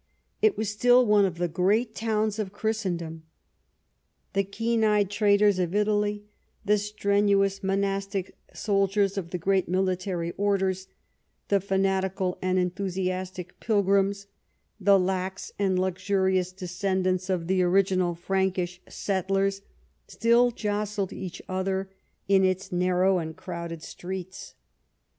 It was still one of the great towns of Christendom. The keen eyed traders of Italy, the strenuous monastic soldiers of the great JNIilitary Orders, the fanatical and enthusiastic pilgrims, the lax and luxurious descendants of the original Frankish settlers, still jostled each other in its 62 EDWARD I chap. narrow and crowded streets.